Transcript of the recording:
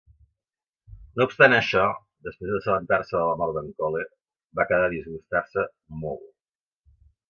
No obstant això, després d'assabentar-se de la mort d'en Kole, va quedar disgustar-se molt.